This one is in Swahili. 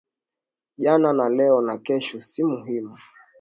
Jana na leo na kesho si muhimu